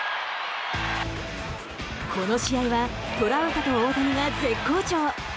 この試合はトラウトと大谷が絶好調。